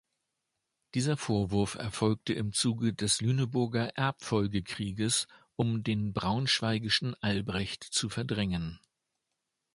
Dieser Vorwurf erfolgte im Zuge des Lüneburger Erbfolgekrieges, um den braunschweigischen Albrecht zu verdrängen.